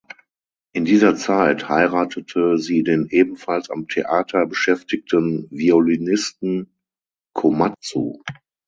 In dieser Zeit heiratete sie den ebenfalls am Theater beschäftigten Violinisten Komatsu.